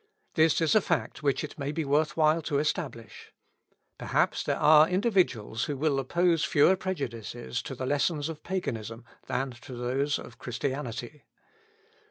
This is a fact which it may be worth while to establish; perhaps there are individuals who will oppose fewer prejudices to the lessons of Paganism than to those of Christianity.